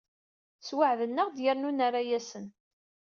Sweɛden-aɣ-d yernu nerra-asen.